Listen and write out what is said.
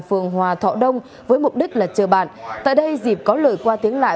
phường hòa thọ đông với mục đích là chờ bạn tại đây dịp có lời qua tiếng lại